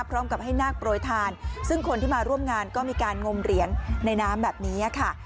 พร้อมกับให้นาคโปรยทานซึ่งคนที่มาร่วมงานก็มีการงมเหรียญในน้ำแบบนี้ค่ะ